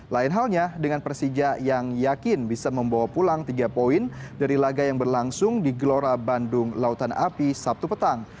lain halnya dengan persija yang yakin bisa membawa pulang tiga poin dari laga yang berlangsung di gelora bandung lautan api sabtu petang